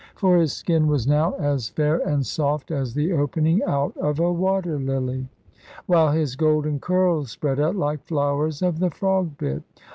For his skin was now as fair and soft as the opening out of a water lily, while his golden curls spread out, like flowers of the frogbit.